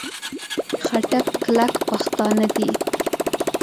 خټک کلک پښتانه دي.